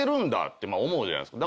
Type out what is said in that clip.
て思うじゃないですか。